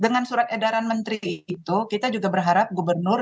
dengan surat edaran menteri itu kita juga berharap gubernur